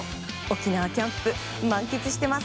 沖縄キャンプ満喫してます。